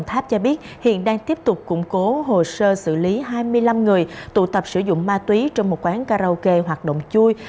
hiện đang tiếp tục củng cố hồ sơ xử lý hai mươi năm người tụ tập sử dụng ma túy trong một quán karaoke hoạt động chui